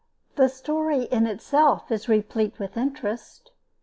The story in itself is replete with interest.